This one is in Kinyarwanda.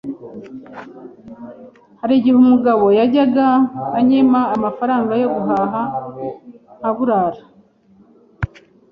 hari igihe umugabo yajyga anyima amafaranga yo guhaha nkaburara